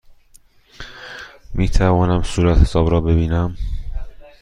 می توانم صورتحساب را ببینم؟